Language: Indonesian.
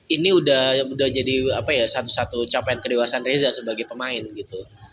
ini udah jadi apa ya satu satu capen kedewasan reza sebagai pemain gitu